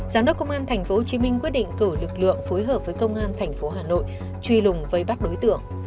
giám đốc công an tp hcm quyết định cử lực lượng phối hợp với công an tp hcm truy lùng với bắt đối tượng